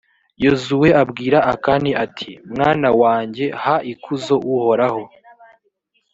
yozuwe abwira akani, ati «mwana wanjye, ha ikuzo uhoraho.